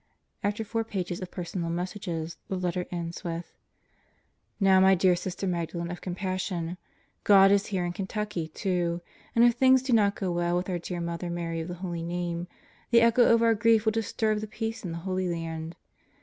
After four pages of personal messages the letter ends with: Now my dear Sister Magdalen of Compassion, God is here in Kentucky, too. And if things do not go well with our dear Mother Mary of the Holy Name the echo of our grief will disturb the peace in the Holy Land.